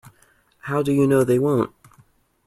How do you know they won't?